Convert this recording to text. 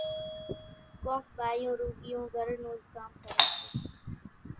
ڪونڪ ٻايُون رُوڳِيون گھر نوز ڪام ڪريَ سي